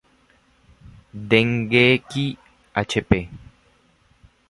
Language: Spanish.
Dengeki hp